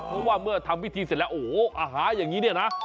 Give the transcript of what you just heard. เพราะว่าเมื่อทำพิธีเสร็จแล้วโอ้โหอาหารอย่างนี้เนี่ยนะ